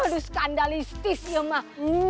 aduh skandalistis ya mah